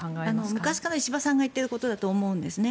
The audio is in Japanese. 昔から石破さんが言っていることだと思うんですね。